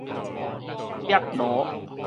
煏爐